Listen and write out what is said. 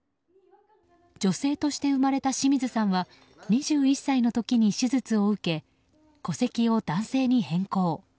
女性として生まれた清水さんは２１歳の時に手術を受け戸籍を男性に変更。